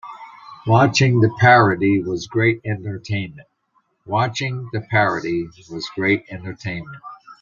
Watching the parody was great entertainment.